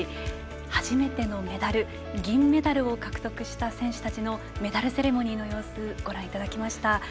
初めてのメダル銀メダルを獲得した選手たちのメダルセレモニーの様子ご覧いただきました。